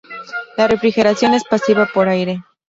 La refrigeración es pasiva por aire.